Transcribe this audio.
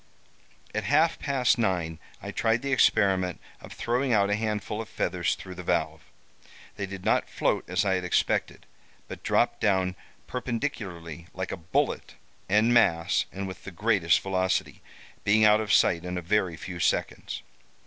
"At half past nine I tried the experiment of throwing out a handful of feathers through the valve. They did not float as I had expected; but dropped down perpendicularly, like a bullet, en masse, and with the greatest velocity—being out of sight in a very few seconds.